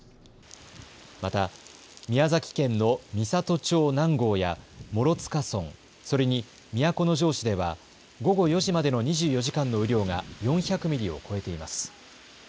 また、宮崎県の美郷町南郷や諸塚村、それに都城市では、午後４時までの２４時間の雨量が４００ミリを超えています。